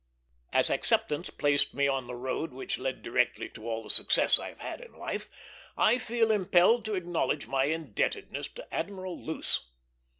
As acceptance placed me on the road which led directly to all the success I have had in life, I feel impelled to acknowledge my indebtedness to Admiral Luce.